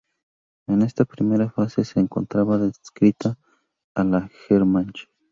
En esta primera fase se encontraba adscrita a la Wehrmacht.